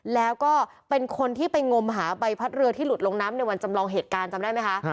แล้วก็เป็นคนที่ไปงมหาใบพัดเรือที่หลุดลงน้ำในวันจำลองเหตุการณ์จำได้ไหมคะ